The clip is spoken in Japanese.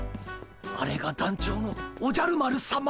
あれが団長のおじゃる丸さま。